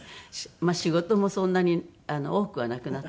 仕事もそんなに多くはなくなったので。